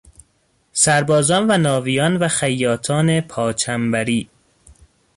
سربازان و ناویان و خیاطان پا چنبری